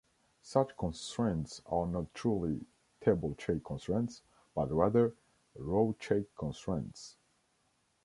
Such constraints are not truly "table check constraints" but rather "row check constraints".